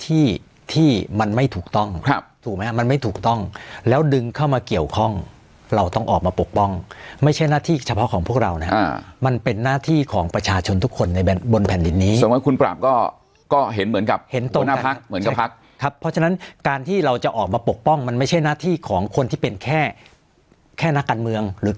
ที่ที่มันไม่ถูกต้องครับถูกไหมฮะมันไม่ถูกต้องแล้วดึงเข้ามาเกี่ยวข้องเราต้องออกมาปกป้องไม่ใช่หน้าที่เฉพาะของพวกเรานะฮะมันเป็นหน้าที่ของประชาชนทุกคนในบนแผ่นดินนี้สมมุติคุณปราบก็ก็เห็นเหมือนกับเห็นตัวหน้าพักเหมือนกับพักครับเพราะฉะนั้นการที่เราจะออกมาปกป้องมันไม่ใช่หน้าที่ของคนที่เป็นแค่แค่นักการเมืองหรือก